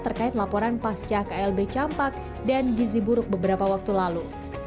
terkait laporan pasca klb campak dan gizi buruk beberapa waktu lalu